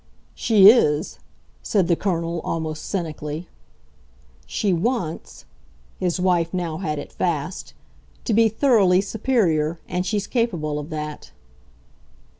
"She is," said the Colonel almost cynically. "She wants" his wife now had it fast "to be thoroughly superior, and she's capable of that."